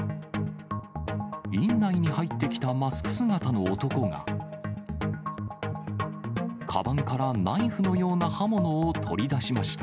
院内に入ってきたマスク姿の男が、かばんからナイフのような刃物を取り出しました。